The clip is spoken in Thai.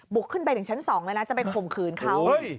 ขึ้นไปถึงชั้น๒เลยนะจะไปข่มขืนเขา